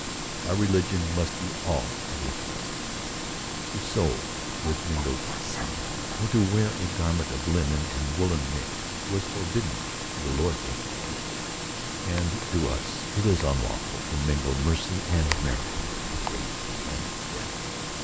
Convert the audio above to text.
Our religion must be all of a piece. To sow with mingled seed, or to wear a garment of linen and woolen mixed, was forbidden to the Lord's ancient The Parting, 35 people ; and to us it is unlawful to mingle mercy and merit, grace and debt.